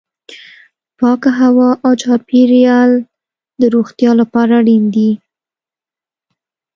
پاکه هوا او چاپیریال د روغتیا لپاره اړین دي.